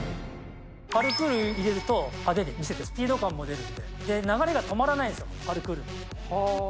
パルクール入れると、派手で、見せて、スピード感も出るので、流れが止まらないです、パルクール。